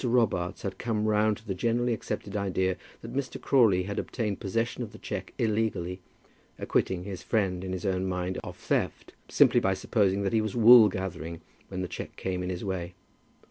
Robarts had come round to the generally accepted idea that Mr. Crawley had obtained possession of the cheque illegally, acquitting his friend in his own mind of theft, simply by supposing that he was wool gathering when the cheque came in his way.